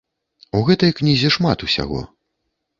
У гэтай кнізе шмат усяго.